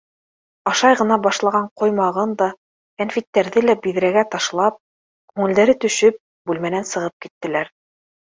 Ашай ғына башлаған ҡоймағын да, кәнфиттәрҙе лә биҙрәгә ташлап, күңелдәре төшөп, бүлмәнән сығып киттеләр.